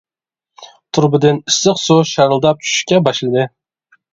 تۇرۇبىدىن ئىسسىق سۇ شارىلداپ چۈشۈشكە باشلىدى.